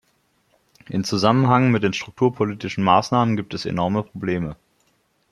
Im Zusammenhang mit den strukturpolitischen Maßnahmen gibt es enorme Probleme.